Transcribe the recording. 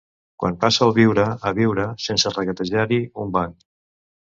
Quan passa el viure, a viure!, sense regatejar-hi un banc